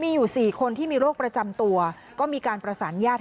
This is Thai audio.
มีอยู่๔คนที่มีโรคประจำตัวก็มีการประสานญาติ